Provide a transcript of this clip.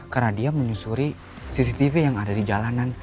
karena dia menyusuri cctv yang ada di jalanan